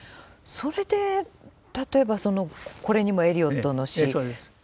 それで例えばこれにもエリオットの詩。